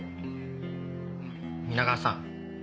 皆川さん。